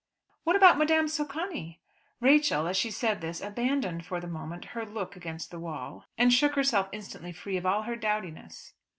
"What about Madame Socani?" Rachel, as she said this, abandoned for the moment her look against the wall, and shook herself instantly free of all her dowdiness.